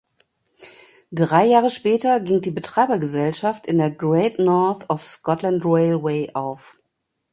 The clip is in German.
Drei Jahre später ging die Betreibergesellschaft in der Great North of Scotland Railway auf.